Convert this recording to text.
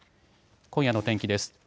今夜の天気です。